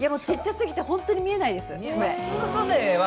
ちっちゃすぎて本当に見えないです。